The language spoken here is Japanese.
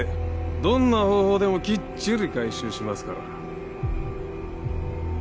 どんな方法でもきっちり回収しますから。